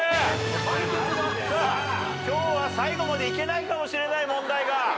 今日は最後までいけないかもしれない問題が。